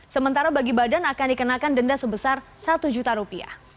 sementara bagi badan akan dikenakan denda sebesar rp satu